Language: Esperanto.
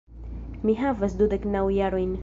Mi havas dudek naŭ jarojn.